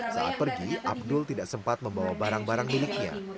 saat pergi abdul tidak sempat membawa barang barang miliknya